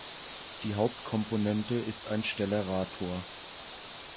Die Hauptkomponente ist ein Stellarator.